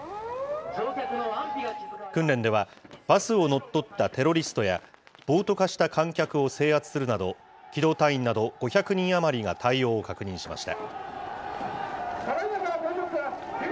訓練では、バスを乗っ取ったテロリストや、暴徒化した観客を制圧するなど、機動隊員など５００人余りが対応を確認しました。